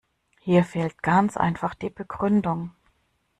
Hier fehlt ganz einfach die Begründung.